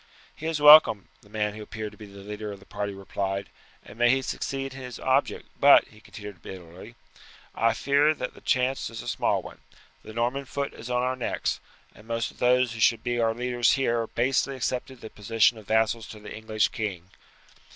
"He is welcome," the man who appeared to be the leader of the party replied, "and may he succeed in his object; but," he continued bitterly, "I fear that the chance is a small one. The Norman foot is on our necks, and most of those who should be our leaders have basely accepted the position of vassals to the English king.